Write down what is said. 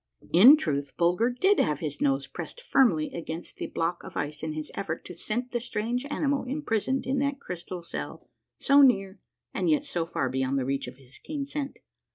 In truth, Bulger did have his nose pressed finnly against the block of ice in his effort to scent the strange animal imprisoned in that crystal cell — so near, and yet so far beyond the reach of his keen scent.